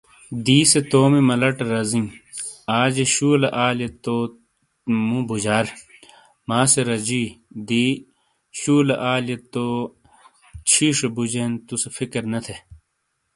دی سے تومی ملہ ٹے رزئیں، آجے شولے آلئیے تو مو بوجار ، ماں سے رجی ؛ دی شولے آلیئے تو چھِیشے بُوجین تُو سے فکر نے تھے ۔